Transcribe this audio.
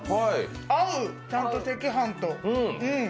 合う、ちゃんと赤飯と。